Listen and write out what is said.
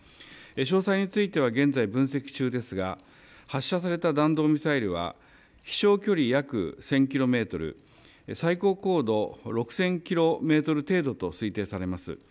詳細については現在分析中ですが、発射された弾道ミサイルは飛しょう距離約１０００キロメートル、最高高度６０００キロメートル程度と推定されます。